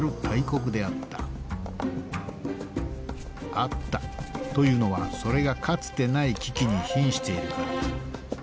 「あった」というのはそれがかつてない危機にひんしているからだ